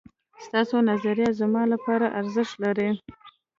ستاسو نظريات زما لپاره ارزښت لري